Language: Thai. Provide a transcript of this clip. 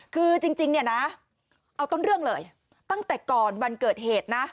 คือจริงเนี่ยนะเอาต้นเรื่องเลยตั้งแต่ก่อนวันเกิดเหตุนะ